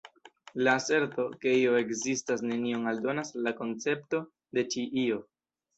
La aserto, ke io ekzistas nenion aldonas al la koncepto de ĉi io.